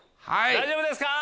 大丈夫ですか？